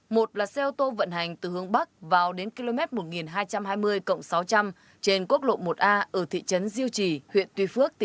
một là xe ô tô vận hành từ hướng bắc vào đến km một nghìn hai trăm hai mươi sáu trăm linh trên quốc lộ một a ở thị trấn diêu trì